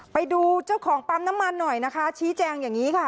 ไปดูเจ้าของปั๊มน้ำมันหน่อยนะคะชี้แจงอย่างนี้ค่ะ